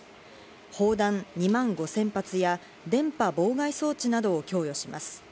砲弾２万５０００発や、電波妨害装置などを供与します。